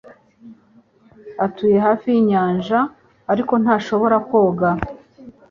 Atuye hafi yinyanja, ariko ntashobora koga.